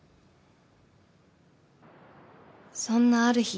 ［そんなある日］